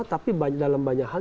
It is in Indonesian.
tapi dalam banyak hal